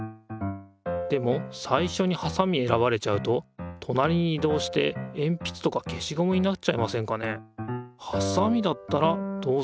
でもさいしょにはさみ選ばれちゃうととなりに移動してえんぴつとか消しゴムになっちゃいませんかね？